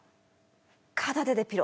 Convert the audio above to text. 片手でピロ。